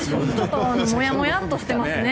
もやもやっとしてますね。